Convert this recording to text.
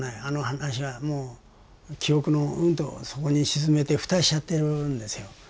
あの話はもう記憶のうんと底に沈めて蓋しちゃってるんですよ。